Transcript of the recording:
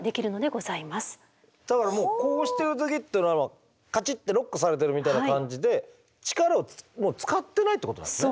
だからもうこうしてる時っていうのはカチッてロックされてるみたいな感じで力を使ってないってことなんですね？